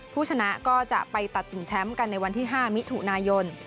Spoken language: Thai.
ผู้ชนะก็จะไปตัดสินแชมป์กันในวันที่๕มิถุนายน